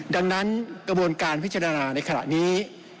ดังนั้นกระบวนการพิจารณาในขณะนี้